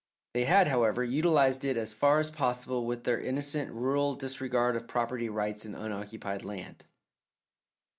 They had, however, utilized it as far as possible with their innocent, rural disregard of property rights in unoccupied land.